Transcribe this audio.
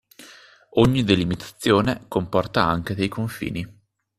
Ogni delimitazione comporta anche dei confini